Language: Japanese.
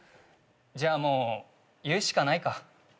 じゃあもう言うしかないか。